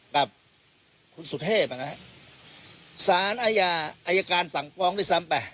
กับคุณสุเทพนะฮะสารอาญาอายการสั่งฟ้องด้วยซ้ำไป